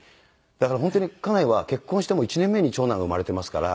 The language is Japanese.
だから本当に家内は結婚して１年目に長男が生まれていますから。